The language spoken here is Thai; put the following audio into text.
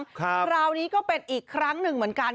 คราวนี้ก็เป็นอีกครั้งหนึ่งเหมือนกัน